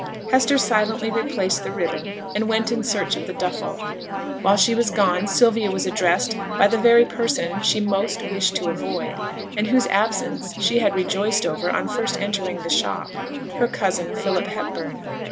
Hester silently replaced the ribbon and went in search of the duffle. While she was gone Sylvia was addressed by the very person she most wished to avoid, and whose absence she had rejoiced over on first entering the shop, her cousin Philip Hepburn.